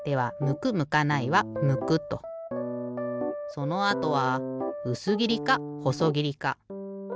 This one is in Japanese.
そのあとはうすぎりかほそぎりか？